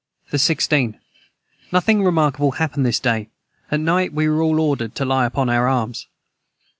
] the 16. Nothing remarkable hapened this day at night we were all ordered to Ly upon our arms.